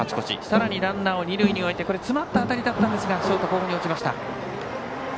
さらにランナーを二塁に置いて詰まった当たりはショート後方に落ちました。